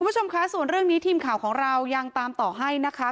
คุณผู้ชมคะส่วนเรื่องนี้ทีมข่าวของเรายังตามต่อให้นะคะ